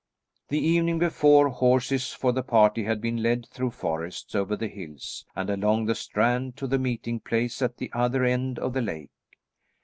The evening before, horses for the party had been led through forests, over the hills, and along the strand, to the meeting place at the other end of the lake.